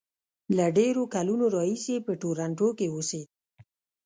له ډېرو کلونو راهیسې په ټورنټو کې اوسېد.